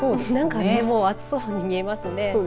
なんかね、もう暑そうに見えますね。